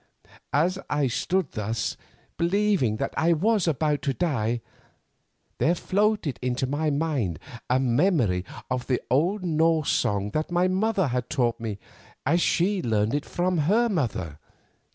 As I stood thus, believing that I was about to die, there floated into my mind a memory of the old Norse song that my mother had taught me as she learned it from her mother.